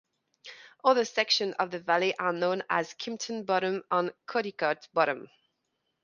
Other sections of the valley are known as Kimpton Bottom and Codicote Bottom.